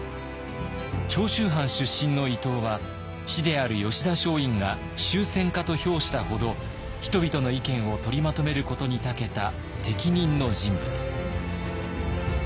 長州藩出身の伊藤は師である吉田松陰が「周旋家」と評したほど人々の意見を取りまとめることにたけた適任の人物。